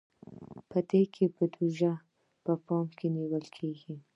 په دې کې بودیجه په پام کې نیول کیږي.